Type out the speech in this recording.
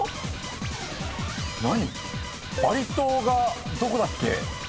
バリ島がどこだっけ？